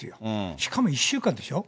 しかも１週間でしょ。